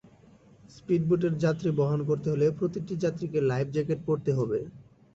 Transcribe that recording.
স্পিডবোটের যাত্রী বহন করতে হলে প্রতিটি যাত্রীকে লাইফ জ্যাকেট পরতে হবে।